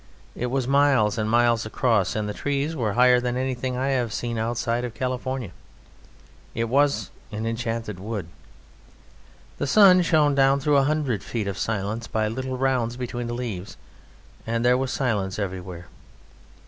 It was miles and miles across, and the trees were higher than anything I have seen outside of California. It was an enchanted wood. The sun shone down through a hundred feet of silence by little rounds between the leaves, and there was silence everywhere.